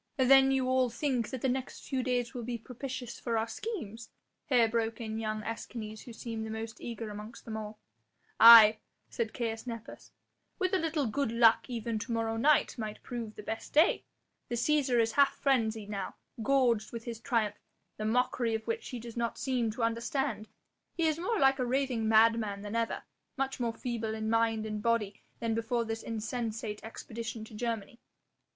"Then you all think that the next few days will be propitious for our schemes?" here broke in young Escanes who seemed the most eager amongst them all. "Aye!" said Caius Nepos, "with a little good luck even to morrow might prove the best day. The Cæsar is half frenzied now, gorged with his triumph, the mockery of which he does not seem to understand. He is more like a raving madman than ever, much more feeble in mind and body than before this insensate expedition to Germany."